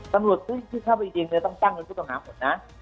ตำรวจซึ่งเข้าไปยิงเนี่ยต้องตั้งเป็นผู้ต้องหาหมดนะ